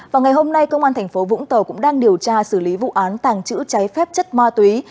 vào ngày hôm nay công an thành phố vũng tàu cũng đang điều tra xử lý vụ án tàng trữ cháy phép chất ma túy